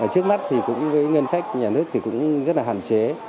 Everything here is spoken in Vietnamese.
trước mắt thì cũng với ngân sách nhà nước thì cũng rất là hạn chế